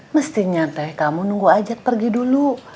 mesti nyantai kamu nunggu ajat pergi dulu